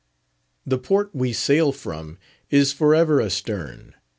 The port we sail from is for ever astern.